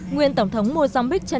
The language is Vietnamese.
nguyên tổng thống mozambique